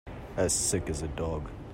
As sick as a dog.